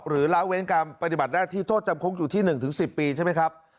ละเว้นการปฏิบัติหน้าที่โทษจำคุกอยู่ที่๑๑๐ปีใช่ไหมครับ